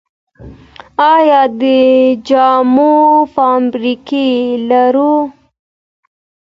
آیا د جامو فابریکې لرو؟